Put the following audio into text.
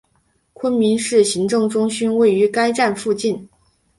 昆明市行政中心位于该站附近。